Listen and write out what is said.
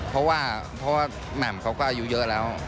เพราะว่าแหม่มเขาก็อายุเยอะแล้ว